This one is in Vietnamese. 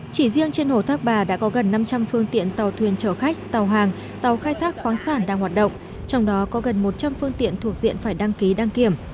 chỉ riêng trên hồ thác bà đã có gần năm trăm linh phương tiện tàu thuyền chở khách tàu hàng tàu khai thác khoáng sản đang hoạt động trong đó có gần một trăm linh phương tiện thuộc diện phải đăng ký đăng kiểm